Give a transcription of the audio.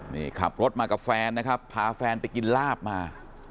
นี่ขับรถมากับแฟนนะครับพาแฟนไปกินลาบมา